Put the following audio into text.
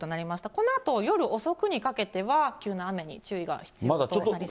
このあと夜遅くにかけては、急な雨に注意が必要となりそうです。